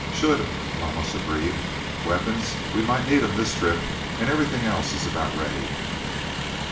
"Should," Ramos agreed. "Weapons we might need 'em this trip and everything else is about ready."